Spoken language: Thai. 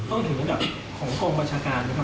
ต้องถึงระดับของกองบัญชาการนะครับ